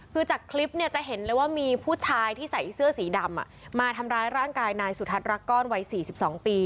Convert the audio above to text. คือจากคลิปเนี่ยจะเห็นเลยว่ามีผู้ชายที่ใส่เสื้อสีดำมาทำร้ายร่างกายนายสุทัศน์รักก้อนวัย๔๒ปี